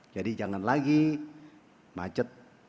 jadi jangan lagi macet